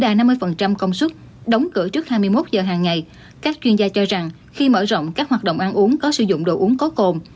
đóng cửa trước hai mươi một h hàng ngày các chuyên gia cho rằng khi mở rộng các hoạt động ăn uống có sử dụng đồ uống có cồn